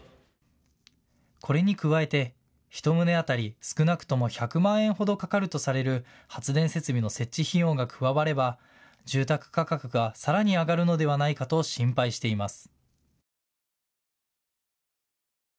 これに加えて１棟当たり少なくとも１００万円ほどかかるとされる発電設備の設置費用が加われば住宅価格がさらに上がるのではないかと心配しています。